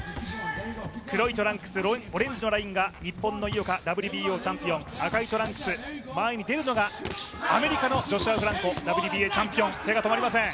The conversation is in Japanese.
黒いトランクス、オレンジのラインが日本の井岡、ＷＢＯチャンピオン赤いトランクス、前に出るのがアメリカのジョシュア・フランコＷＢＡチャンピオン、手が止まりません。